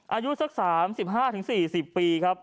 อายุสักสามสิบห้าถึงสี่สิบปีครับ